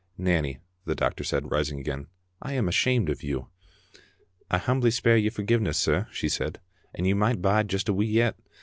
"Nanny," the doctor said, rising again, "I am ashamed of you." "I humbly speir your forgiveness, sir," she said, " and you micht bide just a wee yet.